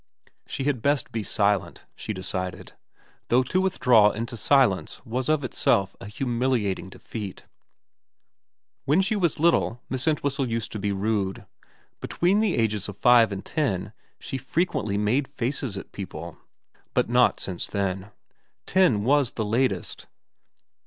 She had best be silent, she decided ; though to withdraw into silence was of itself a humiliating defeat. When she was little Miss Entwhistle used to be rude. Between the ages of five and ten she frequently made faces at people. But not since then. Ten was the latest.